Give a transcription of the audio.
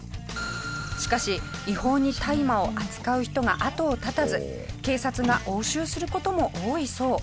しかし違法に大麻を扱う人が後を絶たず警察が押収する事も多いそう。